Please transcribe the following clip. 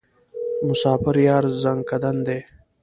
مسافر یار ځانکدن دی.